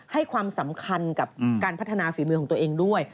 ให้ความสำคัญกับการพัฒนาฝีมือของตัวเองด้วย